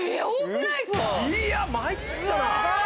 いや参ったな。